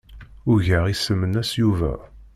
Ugaɣ isem-nnes Yuba.